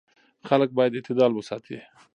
خلک باید اعتدال وساتي.